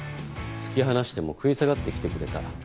突き放しても食い下がって来てくれた。